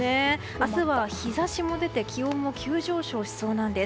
明日は日差しも出て気温も急上昇しそうなんです。